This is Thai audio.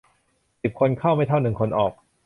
สิบคนเข้าไม่เท่าคนหนึ่งออก